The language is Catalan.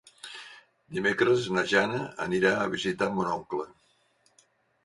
Dimecres na Jana anirà a visitar mon oncle.